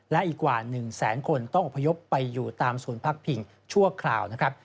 และอีกกว่า๑แสนคนต้องอพยพไปอยู่ตามศูนย์พักผิงชั่วคราวนะครับ